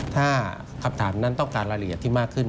ถ้าคำถามนั้นต้องการรายละเอียดที่มากขึ้น